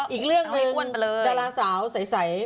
อีกเรื่องหนึ่งดาราสาวใส